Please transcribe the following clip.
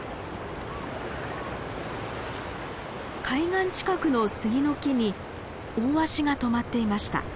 海岸近くのスギの木にオオワシが止まっていました。